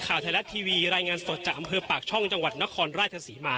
ข่าวไทยรัฐทีวีรายงานสดจากอำเภอปากช่องจังหวัดนครราชศรีมา